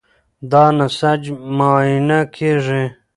دا نسج معاینه کېږي.